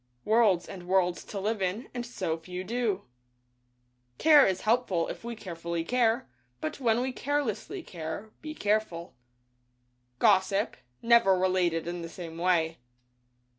Worlds, and Worlds to live in, and so few do. Care is helpful if we carefully care, but when we carelessly care, be careful. Gossip — never related in the same way.